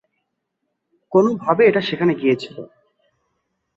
কোনোভাবে এটা সেখানে গিয়েছিল।